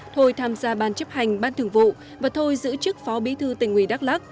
thôi tham gia ban chấp hành ban thường vụ và thôi giữ chức phó bí thư tỉnh ủy đắk lắc